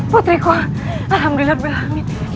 putriku alhamdulillah berlangit